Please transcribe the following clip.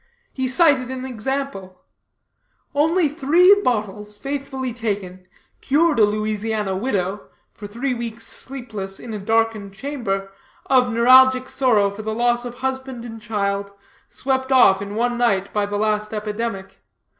He cited an example: Only three bottles, faithfully taken, cured a Louisiana widow (for three weeks sleepless in a darkened chamber) of neuralgic sorrow for the loss of husband and child, swept off in one night by the last epidemic.